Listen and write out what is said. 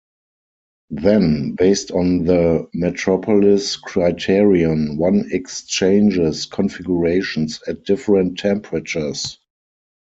Then, based on the Metropolis criterion one exchanges configurations at different temperatures.